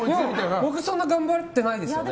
僕そんな頑張ってないですよね。